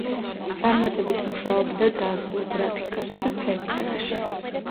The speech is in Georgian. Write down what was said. წარმატებით მუშაობდა დაზგურ გრაფიკასა და ფერწერაში.